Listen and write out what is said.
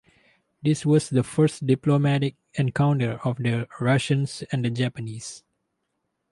This was the first diplomatic encounter of the Russians and the Japanese.